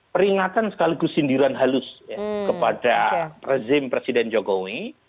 peringatan sekaligus sindiran halus kepada rezim presiden jokowi